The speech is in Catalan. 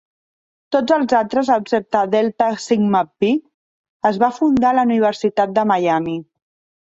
Tots els altres, excepte Delta Sigma Pi, es van fundar a la Universitat de Miami.